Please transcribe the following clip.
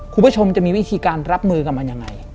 คุณผู้ชมจะมีวิธีการรับมือกับมันยังไง